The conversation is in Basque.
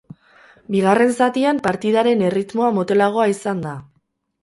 Bigarren zatian partidaren erritmoa motelagoa izan da.